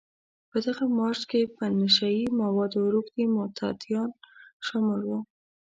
په دغه مارش کې په نشه يي موادو روږدي معتادان شامل وو.